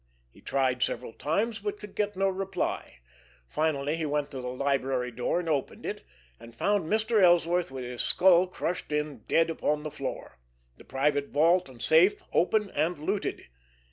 He tried several times, but could get no reply. Finally he went to the library door and opened it, and found Mr. Ellsworth with his skull crushed in, dead upon the floor, the private vault and safe open and looted.